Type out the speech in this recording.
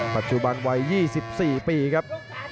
ปัจจุบันวัย๒๔ปีครับ